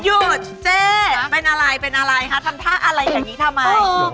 อยู่เจ๊เป็นอะไรท่านถ้าอะไรอย่างนี้ทำไม